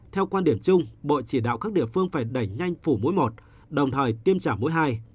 theo quan điểm chung bộ chỉ đạo các địa phương phải đẩy nhanh phủ mũi mọt đồng thời tiêm trả mũi hai